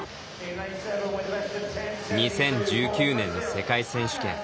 ２０１９年の世界選手権。